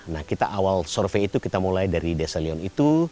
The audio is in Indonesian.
nah kita awal survei itu kita mulai dari desa leon itu